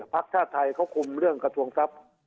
ชาติไทยเขาคุมเรื่องกระทรวงทรัพย์